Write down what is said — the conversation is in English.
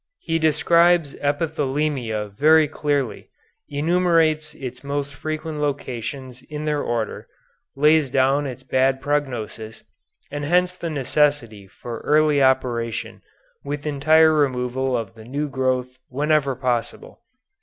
He describes epithelioma very clearly, enumerates its most frequent locations in their order, lays down its bad prognosis, and hence the necessity for early operation with entire removal of the new growth whenever possible.